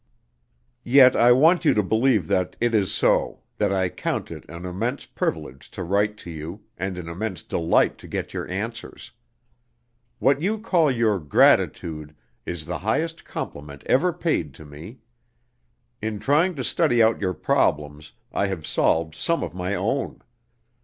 Yet I want you to believe that it is so, that I count it an immense privilege to write to you, and an immense delight to get your answers. What you call your 'gratitude' is the highest compliment ever paid to me. In trying to study out your problems, I have solved some of my own.